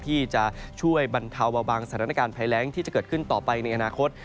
ที่จะช่วยบรรเทาเบาบางสถานการณ์ภัยแรงที่จะเกิดขึ้นต่อไปในอนาคต